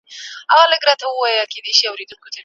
انټرنیټ د علم د ځای بشپړولو لپاره مؤثره وسیله ده.